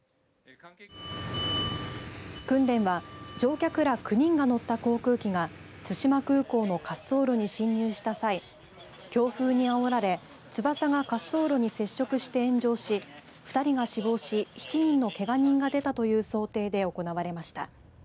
訓練は乗客らく９人が乗った航空機が対馬空港の滑走路に進入した際強風にあおられ翼が滑走路に接触して炎上し２人が死亡し、７人のけが人が出たという想定で行われました。